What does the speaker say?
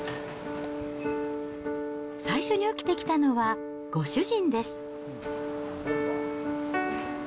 最初に起きてきたのはご主人です。